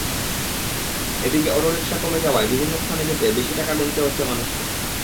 এদিকে অটোরিকশা কমে যাওয়ায় বিভিন্ন স্থানে যেতে বেশি টাকা গুনতে হচ্ছে মানুষকে।